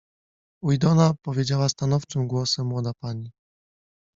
Weedona powiedziała stanowczym głosem młoda pani.